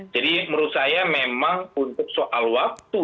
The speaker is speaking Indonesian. jadi menurut saya memang untuk soal waktu